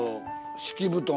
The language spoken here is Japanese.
敷き布団